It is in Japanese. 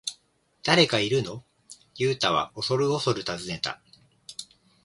「誰かいるの？」ユウタはおそるおそる尋ねた。